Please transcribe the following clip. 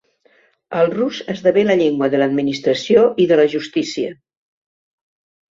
El rus esdevé la llengua de l'administració i de la justícia.